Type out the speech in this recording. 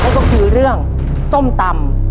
ก็คือเรื่องส้มตำ